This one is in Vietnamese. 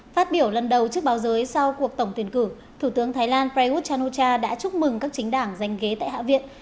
phát biểu lần đầu trước báo giới sau cuộc tổng tuyển cử thủ tướng thái lan prayuth chan o cha đã chúc mừng các chính đảng giành ghế tại hạ viện